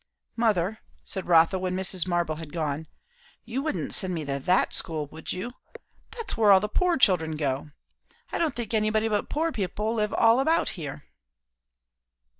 "Mother," said Rotha when Mrs. Marble had gone, "you wouldn't send me to that school, would you? That's where all the poor children go. I don't think anybody but poor people live all about here."